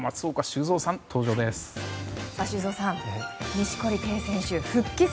修造さん、錦織圭選手